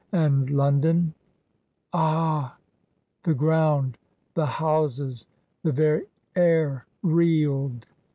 A7id London^ "Ah !" The ground, the houses, the very air reeled.